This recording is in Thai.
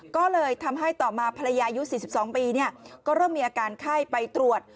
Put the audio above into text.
ก็เลยทำให้ต่อมาภรรยายุ๔๒ปีก็เริ่มมีอาการไข้ไปตรวจ